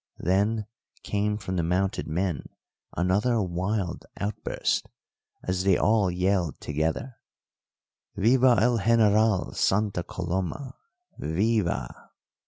Then came from the mounted men another wild outburst as they all yelled together, _"Viva el General Santa Coloma viv a."